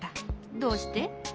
どうして？